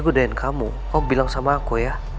gudain kamu kamu bilang sama aku ya